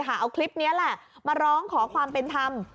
เอาคลิปนี้มาร้องขอความเป็นทำ